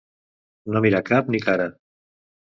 No mirar cap ni cara.